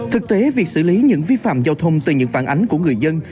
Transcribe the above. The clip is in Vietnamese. thực tế việc xử lý những vi phạm giao thông từ những phản ánh của người dân